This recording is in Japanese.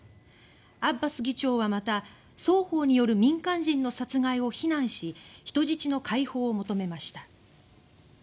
アッバス議長はまた双方による民間人の殺害を非難し人質の解放を求めました。